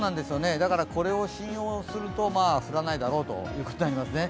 だから、これを信用すると降らないだろうということになりますね。